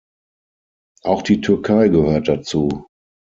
Auch die Türkei gehört dazu.